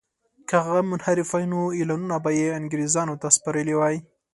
که هغه منحرف وای نو اعلانونه به یې انګرېزانو ته سپارلي وای.